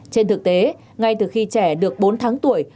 trên thực tế ngay từ khi trẻ được bốn tháng tuổi